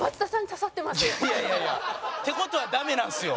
いやいやいやいやっていう事はダメなんですよ。